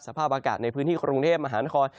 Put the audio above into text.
สภาพอากาศในพื้นที่กรุงเทพมหานคร